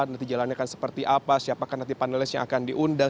nanti jalannya akan seperti apa siapakan nanti panelis yang akan diundang